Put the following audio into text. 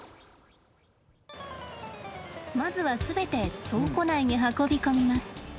まずは全て倉庫内に運び込みます。